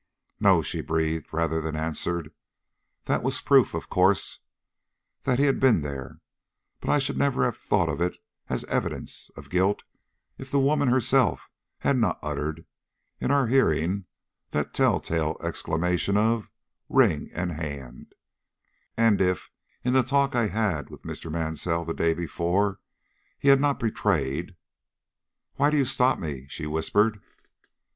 "No," she breathed rather than answered. "That was a proof, of course, that he had been there, but I should never have thought of it as an evidence of guilt if the woman herself had not uttered, in our hearing that tell tale exclamation of 'Ring and Hand,' and if, in the talk I held with Mr. Mansell the day before, he had not betrayed Why do you stop me?" she whispered.